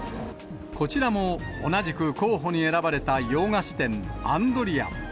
こちらも、同じく候補に選ばれた洋菓子店、アンドリアン。